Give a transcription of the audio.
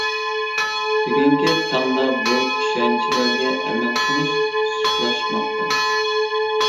بۈگۈنكى تاڭدا بۇ چۈشەنچىلەرگە ئەمەل قىلىش سۇسلاشماقتا.